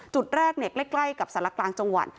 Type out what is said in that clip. จุดแรกใกล้กับสารกลางจังหวัด